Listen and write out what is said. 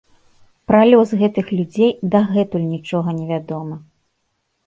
Пра лёс гэтых людзей дагэтуль нічога невядома.